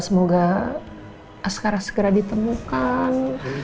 semoga asqara segera ditemukan